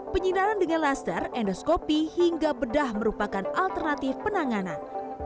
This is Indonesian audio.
penyidaran dengan laster endoskopi hingga bedah merupakan alternatif penanganan